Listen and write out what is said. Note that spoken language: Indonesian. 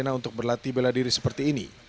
dan juga untuk pelatih bela diri seperti ini